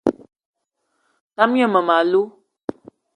Tam gne mmem- alou